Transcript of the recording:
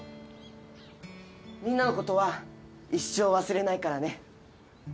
みんなのことは一生忘れないからね。